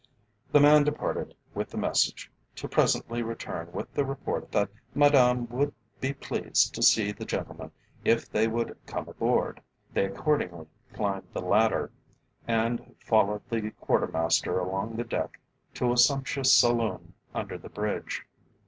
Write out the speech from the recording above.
The man departed with the message, to presently return with the report that Madame would be pleased to see the gentleman if they would "come aboard." They accordingly climbed the ladder, and followed the quartermaster along the deck to a sumptuous saloon under the bridge.